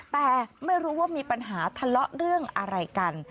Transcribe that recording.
แต่ไม่รู้ว่ามีปัญหาทะเลาะเรื่องอะไรกัน